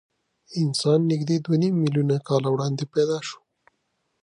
انسان نږدې دوه نیم میلیونه کاله وړاندې پیدا شو.